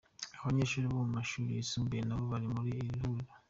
Abanyeshuri bo mu mashuri yisumbuye nabo bari muri iri huriro.